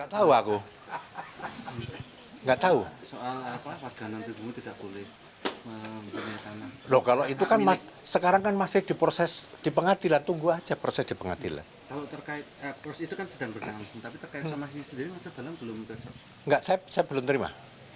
saya belum menerima